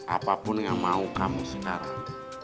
apapun yang mau kamu sekarang